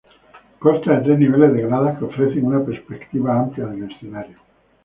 Consta de tres niveles de gradas que ofrecen una perspectiva amplia del escenario.